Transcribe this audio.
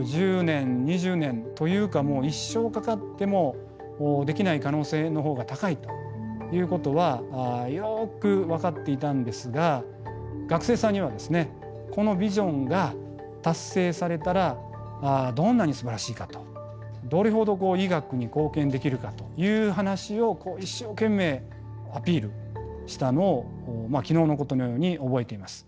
１０年２０年というか一生かかってもできない可能性の方が高いということはよく分かっていたんですが学生さんにはですねこのビジョンが達成されたらどんなにすばらしいかとどれほど医学に貢献できるかという話を一生懸命アピールしたのを昨日のことのように覚えています。